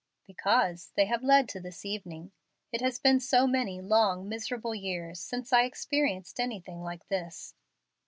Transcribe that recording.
"Because they have led to this evening. It has been so many long, miserable years since I experienced anything like this."